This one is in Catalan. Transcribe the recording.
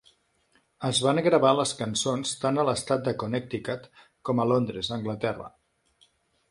Es van gravar les cançons tant a l'estat de Connecticut com a Londres, Anglaterra.